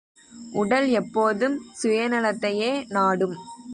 உடல் எப்போதும் சுயநலத்தையே நாடும்.